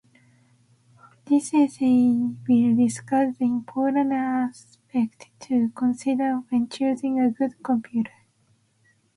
This essay will discuss the important aspects to consider when choosing a good computer.